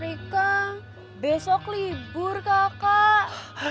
rika besok libur kakak